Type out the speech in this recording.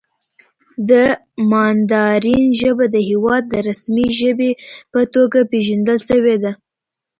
د ماندارین ژبه د هېواد د رسمي ژبې په توګه پېژندل شوې ده.